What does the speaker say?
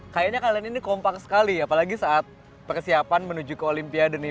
kayaknya kalian ini kompak sekali apalagi saat persiapan menuju ke olimpiade nih